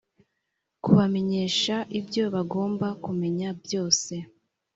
kubamenyesha ibyo bagomba kumenya byose